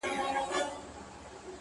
خلک ډېر وه تر درباره رسېدلي٫